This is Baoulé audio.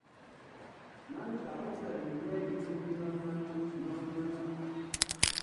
Nán lika uflɛ nun yɛ ijreʼn ti mlanmlanmlan ɔn.